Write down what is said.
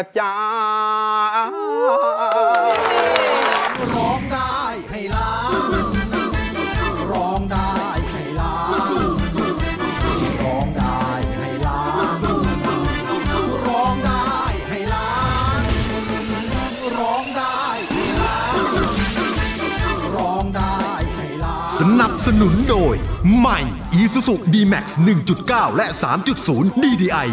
เจ้าจ้า